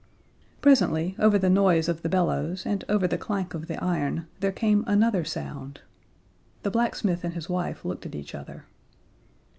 Presently, over the noise of the bellows and over the clank of the iron, there came another sound. The blacksmith and his wife looked at each other.